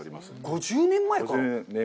５０年前から？